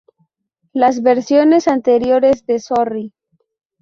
Las versiones anteriores de Sorry!